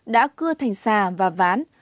đã cưa thành xà và ván